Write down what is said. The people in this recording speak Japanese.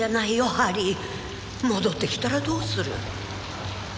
ハリー戻ってきたらどうする？